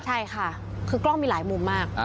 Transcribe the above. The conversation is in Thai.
ใช่ค่ะคือกล้องมีหลายมุมมาก